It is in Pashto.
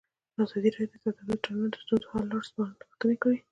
ازادي راډیو د سوداګریز تړونونه د ستونزو حل لارې سپارښتنې کړي.